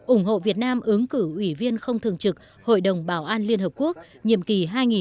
ủng hộ việt nam ứng cử ủy viên không thường trực hội đồng bảo an liên hợp quốc nhiệm kỳ hai nghìn hai mươi hai nghìn hai mươi một